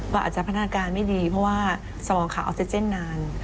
อาจจะพัฒนาการไม่ดีเพราะว่าสมองขาออกซิเจนนาน